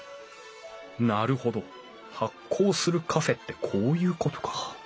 なるほど発酵するカフェってこういうことか。